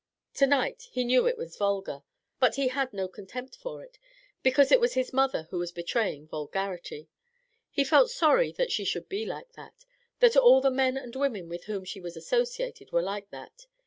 To night he knew it was vulgar; but he had no contempt for it, because it was his mother who was betraying vulgarity. He felt sorry that she should be like that that all the men and women with whom she was associated were like that.